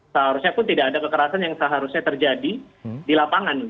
seharusnya pun tidak ada kekerasan yang seharusnya terjadi di lapangan